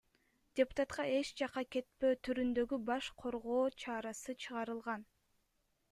Депутатка эч жакка кетпөө түрүндөгү баш коргоо чарасы чыгарылган.